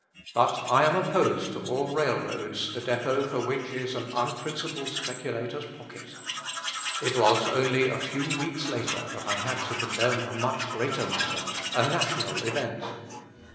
But I am opposed to all railroads, the depot for which is an unprincipled speculator's pocket. It was only a few weeks later that I had to condemn a much greater matter, a national event.